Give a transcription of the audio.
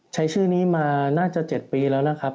ใช้ชื่อนี้มาน่าจะ๗ปีแล้วนะครับ